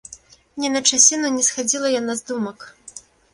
Ні на часіну не схадзіла яна з думак.